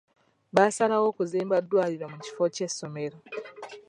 Baasalawo kuzimba ddwaliro mu kifo ky'essomero.